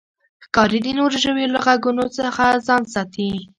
ښکاري د نورو ژویو له غږونو ځان ساتي.